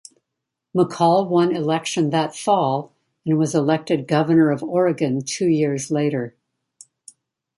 McCall won election that fall, and was elected Governor of Oregon two years later.